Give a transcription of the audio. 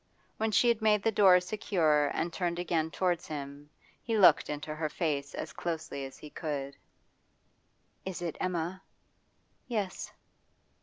When she had made the door secure and turned again towards him, he looked into her face as closely as he could. 'Is it Emma?' 'Yes.